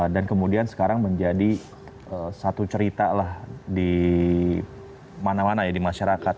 dan kemudian sekarang menjadi satu cerita lah di mana mana ya di masyarakat